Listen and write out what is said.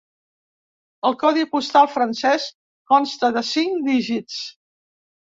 El codi postal francès consta de cinc dígits.